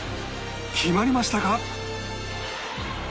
決まりましたか？